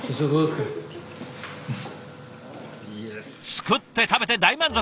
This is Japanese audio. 作って食べて大満足！